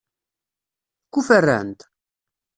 Kuferrant?